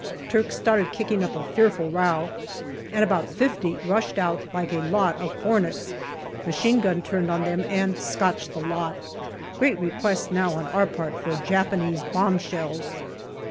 Turks started kicking up a fearful row, and about fifty rushed out like a lot of hornets. Machine gun turned on them and scotched the lot. Great request now on our part for Japanese bomb shells.